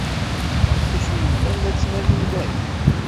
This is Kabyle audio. Ɣef wacu i llan la ttnadin dahi?